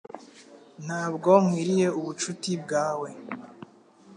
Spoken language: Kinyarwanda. Ntabwo nkwiriye ubucuti bwawe